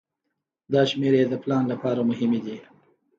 دا شمیرې د پلان لپاره مهمې دي.